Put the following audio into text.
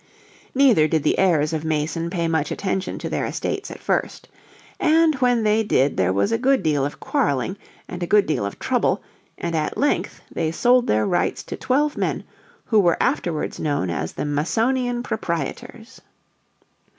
Neither did the heirs of Mason pay much attention to their estates at first. And when they did there was a good deal of quarrelling and a good deal of trouble, and at length they sold their rights to twelve men, who were afterwards known as the Masonian Proprietors.